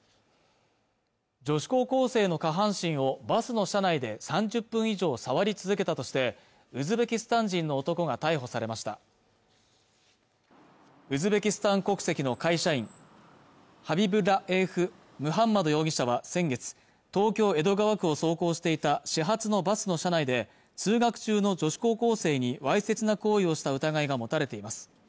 女子高校生の下半身をバスの車内で３０分以上触り続けたとしてウズベキスタン人の男が逮捕されましたウズベキスタン国籍の会社員ハビブッラエフ・ムハンマド容疑者は先月東京・江戸川区を走行していた始発のバスの車内で通学中の女子高校生にわいせつな行為をした疑いが持たれています